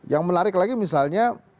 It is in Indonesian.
yang menarik lagi misalnya